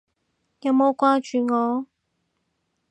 有冇掛住我？